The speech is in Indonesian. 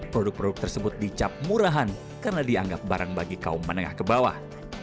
produk produk tersebut dicap murahan karena dianggap barang bagi kaum menengah ke bawah